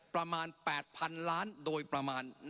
ประมาณ๘๐๐๐ล้านโดยประมาณ